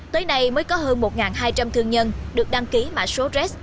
tới nay mới có hơn một hai trăm linh thương nhân được đăng ký mã số rex